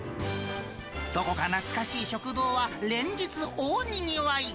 どこか懐かしい食堂は、連日大にぎわい。